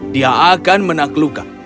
dia akan menaklukkan